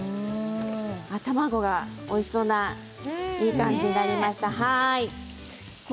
卵がおいしそうないい感じになりました。